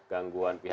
gangguan pihak ketiga